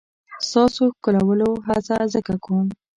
ستا ښکلولو هڅه ځکه کوم.